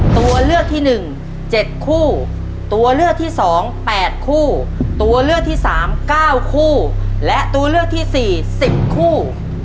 ตัวเลือกที่๑๗คู่ตัวเลือกที่๒๘คู่ตัวเลือกที่๓๙คู่และตัวเลือกที่๔๑๐คู่